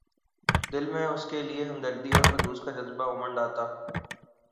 دل میں اس کے لیے ہمدردی اور خلوص کا جذبہ اُمڈ آتا